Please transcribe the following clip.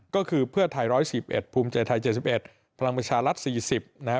ก็คือเพื่อไทย๑๑๑ภูมิใจไทย๗๑พลังประชารัฐ๔๐นะฮะ